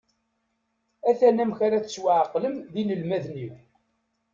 Atan amek ara tettwaεeqlem d inelmaden-iw.